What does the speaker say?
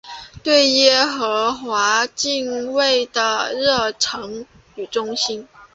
对耶和华敬畏的热诚与忠心。